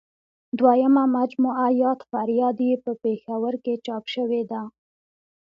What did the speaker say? دویمه مجموعه یاد فریاد یې په پېښور کې چاپ شوې ده.